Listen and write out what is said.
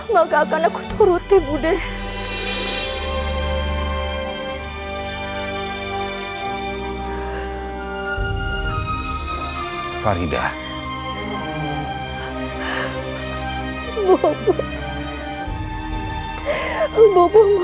maka aku akan menuruti mardian